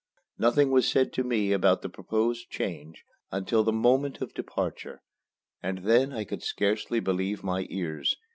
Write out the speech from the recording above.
Nothing was said to me about the proposed change until the moment of departure, and then I could scarcely believe my ears.